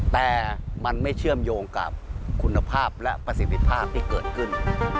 แต่มันไม่เชื่อมโยงกับคุณภาพและประสิทธิภาพที่เกิดขึ้น